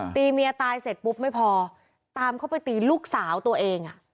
เมียตายเสร็จปุ๊บไม่พอตามเข้าไปตีลูกสาวตัวเอง